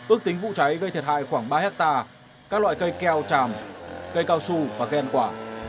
ước tính vụ cháy gây thiệt hại khoảng ba hectare các loại cây keo tràm cây cao su và ghen quả